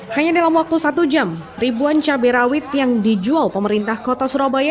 hanya dalam waktu satu jam ribuan cabai rawit yang dijual pemerintah kota surabaya